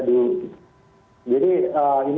gitu jadi ini